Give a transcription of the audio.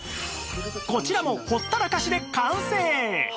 こちらもほったらかしで完成！